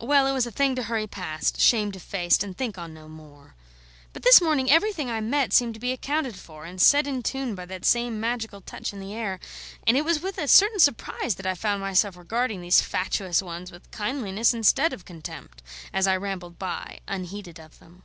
Well, it was a thing to hurry past, shamed of face, and think on no more. But this morning everything I met seemed to be accounted for and set in tune by that same magical touch in the air; and it was with a certain surprise that I found myself regarding these fatuous ones with kindliness instead of contempt, as I rambled by, unheeded of them.